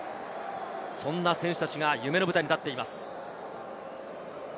そんな選手たちが夢の舞台に立っています。